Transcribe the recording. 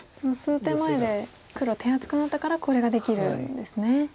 もう数手前で黒手厚くなったからこれができるんですね。